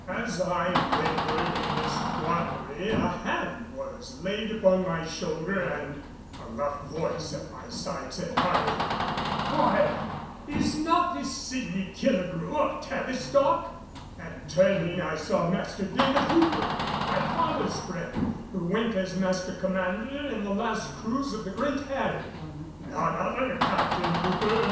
As I labored in this quandary, a hand was laid upon my shoulder and a rough voice at my side said heartily, "Why, is not this Sydney Killigrew of Tavistock?" And turning I saw Master David Hooper, my father's friend, who went as Master Commander in the last cruise of the Great Harry. "None other, Captain Hooper!"